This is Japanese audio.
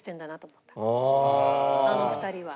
あの２人は。